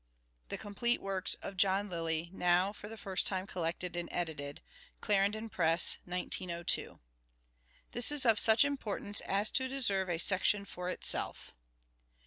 (" The Complete Works of John Lyly, now for the first time collected and edited." Clarendon Press, 1902). This is of such importance as to deserve a section for itself.